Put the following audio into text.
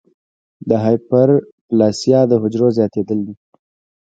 د هایپرپلاسیا د حجرو زیاتېدل دي.